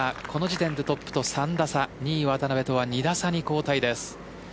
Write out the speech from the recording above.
この時点でトップと３打差２位・渡邉とは２打差に後退です。